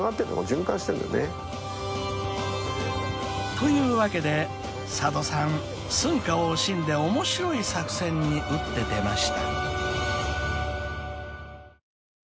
［というわけで佐渡さん寸暇を惜しんで面白い作戦に打って出ました］